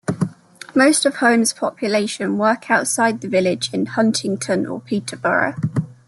Most of Holme's population work outside the village in Huntingdon or Peterborough.